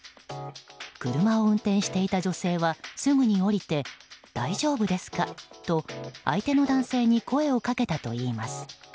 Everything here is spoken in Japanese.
車を運転していた女性はすぐに降りて大丈夫ですか？と相手の男性に声をかけたといいます。